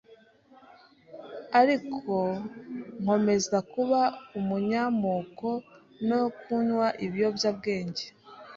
ariko nkomeza kuba umunyamoko no kunywa ibiyobyabwenge.